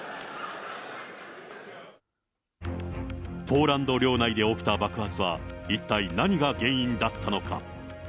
ポーランド領内で起きた爆発は、一体何が原因だったのか。